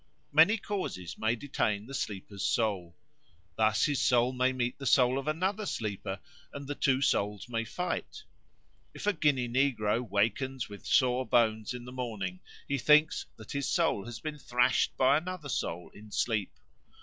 Many causes may detain the sleeper's soul. Thus, his soul may meet the soul of another sleeper and the two souls may fight; if a Guinea negro wakens with sore bones in the morning, he thinks that his soul has been thrashed by another soul in sleep.